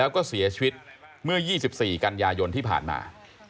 แล้วก็เสียชีวิตเมื่อ๒๔กันยายนที่ผ่านมา